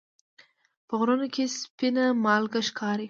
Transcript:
په غرونو کې سپینه مالګه ښکاري.